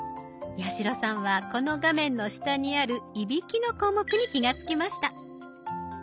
八代さんはこの画面の下にある「いびき」の項目に気が付きました。